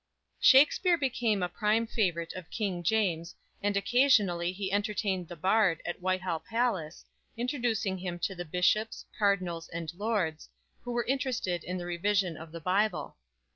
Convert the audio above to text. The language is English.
"_ Shakspere became a prime favorite of King James, and occasionally he entertained the Bard at Whitehall Palace, introducing him to the bishops, cardinals and lords, who were interested in the revision of the Bible.